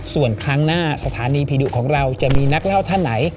ส่วนครั้งหน้าสถานีผีดุของเราจะมีนักเล่าท่านไหน